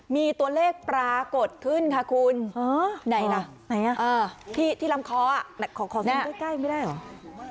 มีตัวเลขปรากฏขึ้นค่ะคุณไหนล่ะไหนที่ลำคอขอขึ้นใกล้ไม่ได้เหรอ